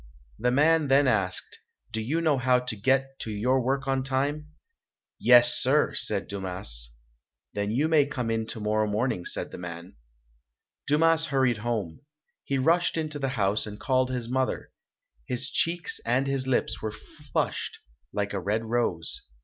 The man then asked, "Do you know how to get to your work on time?" "Yes, sir!" said Dumas. "Then you may come in tomorrow morning", said the man. 240 ] UNSUNG HEROES Dumas hurried home. He rushed into the house and called his mother. His cheeks and his lips were flushed like a red rose.